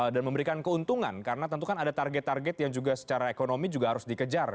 dan memberikan keuntungan karena tentu kan ada target target yang juga secara ekonomi juga harus dikejar